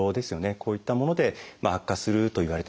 こういったもので悪化するといわれてます。